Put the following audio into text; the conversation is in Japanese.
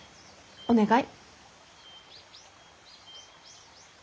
お願い。